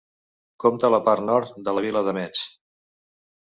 Compta la part nord de la vila de Metz.